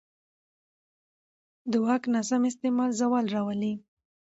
د واک ناسم استعمال زوال راولي